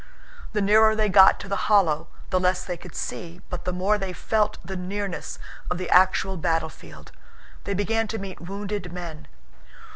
The nearer they got to the hollow the less they could see but the more they felt the nearness of the actual battlefield. They began to meet wounded men.